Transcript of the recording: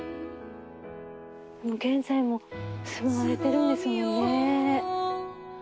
現在も住まわれてるんですもんね。